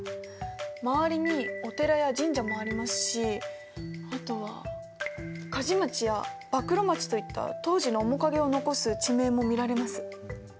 周りにお寺や神社もありますしあとは鍛冶町や馬喰町といった当時の面影を残す地名も見られます。